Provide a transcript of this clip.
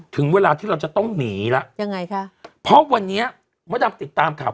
ถึงเวลาที่เราจะต้องหนีแล้วยังไงคะเพราะวันนี้มดดำติดตามข่าว